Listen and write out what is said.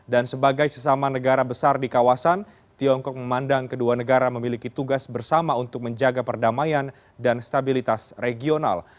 dan sebagai sesama negara besar di kawasan tiongkok memandang kedua negara memiliki tugas bersama untuk menjaga perdamaian dan stabilitas regional